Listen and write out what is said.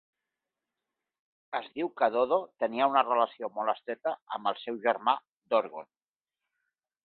Es diu que Dodo tenia una relació molt estreta amb el seu germà Dorgon.